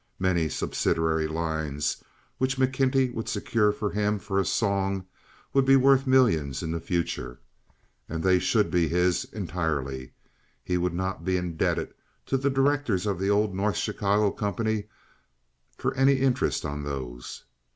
Many subsidiary lines, which McKenty would secure for him for a song, would be worth millions in the future, and they should be his entirely; he would not be indebted to the directors of the old North Chicago company for any interest on those.